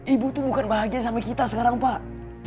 ibu tuh bukan bahagia sama kita sekarang pak